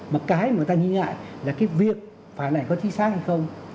mà cái mà người ta nghi ngại là cái việc phản ảnh có chính xác hay không